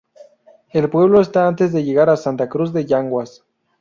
El pueblo está antes de llegar a Santa Cruz de Yanguas.